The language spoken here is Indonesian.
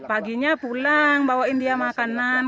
paginya pulang bawain dia makanan